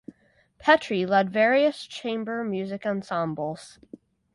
Petri led various chamber music ensembles.